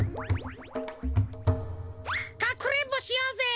かくれんぼしようぜ。